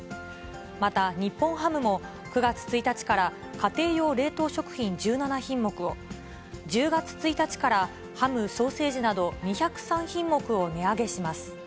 また、日本ハムも９月１日から家庭用冷凍食品１７品目を、１０月１日からハム、ソーセージなど２０３品目を値上げします。